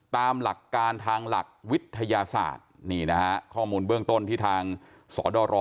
ตามหลักการทางหลักวิทยาศาสตร์นี่นะฮะข้อมูลเบื้องต้นที่ทางสอดร